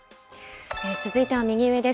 続いては右上です。